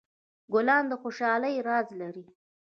ګلان د خوشحالۍ راز لري.